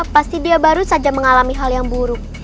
pasti dia baru saja mengalami hal yang buruk